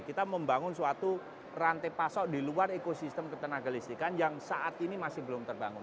kita membangun suatu rantai pasok di luar ekosistem ketenaga listrikan yang saat ini masih belum terbangun